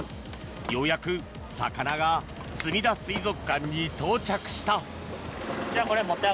ようやく、魚がすみだ水族館に到着した。